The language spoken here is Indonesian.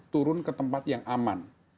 turun ke tempat yang aman